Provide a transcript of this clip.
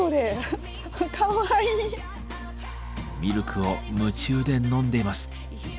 ミルクを夢中で飲んでいます。